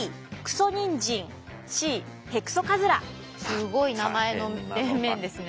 すごい名前の面々ですね。